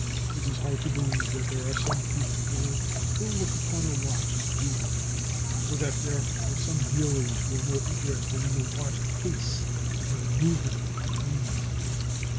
It is hard to believe that there are some people who still look upon a watch as "jewelry," or that there are some dealers who are more interested in the watch case than in the movement it contains.